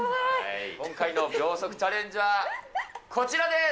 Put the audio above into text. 今回の秒速チャレンジは、こちらです。